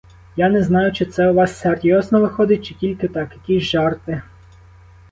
Я не знаю, чи це у вас серйозно виходить, чи тільки так, якісь жарти.